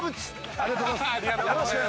◆ありがとうございます。